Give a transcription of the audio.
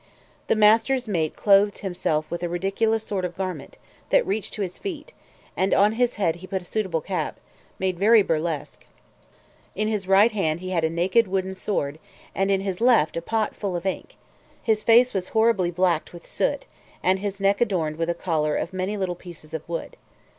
The master's mate clothed himself with a ridiculous sort of garment, that reached to his feet, and on his head he put a suitable cap, made very burlesque; in his right hand he had a naked wooden sword, and in his left a pot full of ink: his face was horribly blacked with soot, and his neck adorned with a collar of many little pieces of wood.